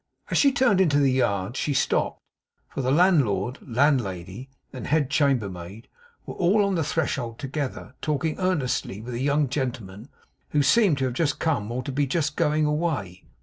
As she turned into the yard, she stopped; for the landlord, landlady, and head chambermaid, were all on the threshold together talking earnestly with a young gentleman who seemed to have just come or to be just going away.